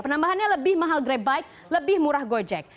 penambahannya lebih mahal grabbike lebih murah gojek